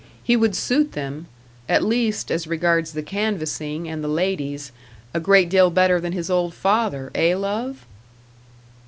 He would suit them at least, as regards the canvassing and the ladies a great deal better than his old father eh, love?"